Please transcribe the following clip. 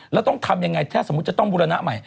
แล้วต้องทำยังไงถ้าสมมุติจะต้องบูรณะใหม่